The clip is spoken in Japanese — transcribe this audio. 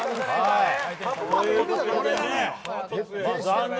残念！